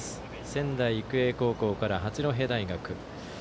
仙台育英高校から八戸大学。